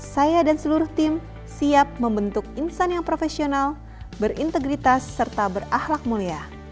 saya dan seluruh tim siap membentuk insan yang profesional berintegritas serta berahlak mulia